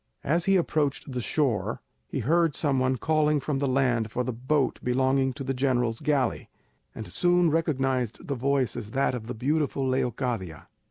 As he approached the shore he heard some one calling from the land for the boat belonging to the general's galley, and soon recognised the voice as that of the beautiful Leocadia.